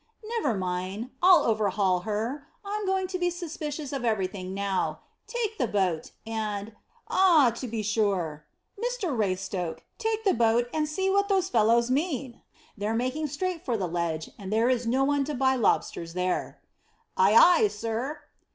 "Never mind! I'll overhaul her. I'm going to be suspicious of everything now. Take the boat, and Ah, to be sure. Mr Raystoke, take the boat, and see what those fellows mean. They're making straight for the ledge, and there is no one to buy lobsters there." "Ay, ay, sir!"